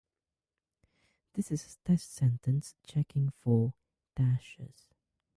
This is a test sentence checking for - dashes